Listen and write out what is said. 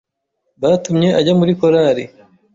Byatumye ajya muri Korali